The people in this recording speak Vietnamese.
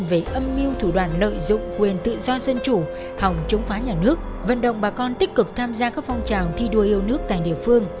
về âm mưu thủ đoạn lợi dụng quyền tự do dân chủ hòng chống phá nhà nước vận động bà con tích cực tham gia các phong trào thi đua yêu nước tại địa phương